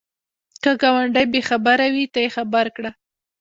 که ګاونډی بې خبره وي، ته یې خبر کړه